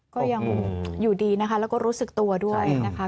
ก็ยังอยู่ดีนะคะแล้วก็รู้สึกตัวด้วยนะคะ